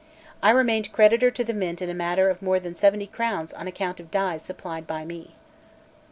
I remained creditor to the Mint in a matter of more than seventy crowns on account of dies supplied by me.